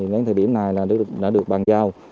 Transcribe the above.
đến thời điểm này đã được bàn giao